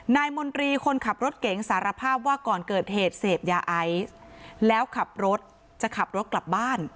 มนตรีคนขับรถเก๋งสารภาพว่าก่อนเกิดเหตุเสพยาไอซ์แล้วขับรถจะขับรถกลับบ้าน